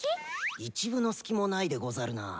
一分の隙もないでござるな。